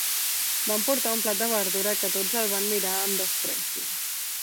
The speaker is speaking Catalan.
Van portar un plat de verdura que tots el van mirar amb despreci.